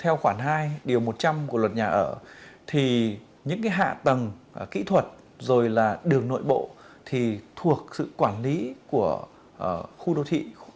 theo khoản hai điều một trăm linh của luật nhà ở thì những cái hạ tầng kỹ thuật rồi là đường nội bộ thì thuộc sự quản lý của khu đô thị